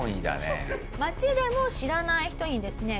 街でも知らない人にですね